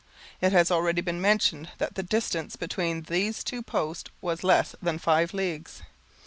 It has already been mentioned that the distance between these two posts was less than five leagues.